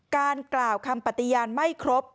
กล่าวคำปฏิญาณไม่ครบ